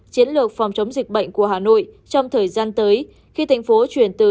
chiến lược phòng chống dịch bệnh của hà nội trong thời gian tới khi thành phố chuyển từ